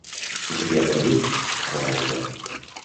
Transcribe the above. Què se t'hi ha perdut, a Bonaigua?